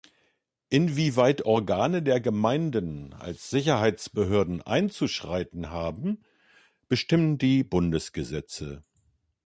Inwieweit Organe der Gemeinden als Sicherheitsbehörden einzuschreiten haben, bestimmen die Bundesgesetze.